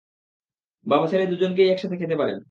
বাবা ছেলে দুজনেই একসাথে কেক খেতে পারবেন।